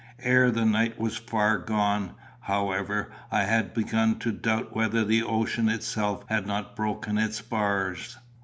Ere the night was far gone, however, I had begun to doubt whether the ocean itself had not broken its bars.